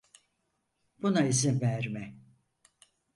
Buna izin verme.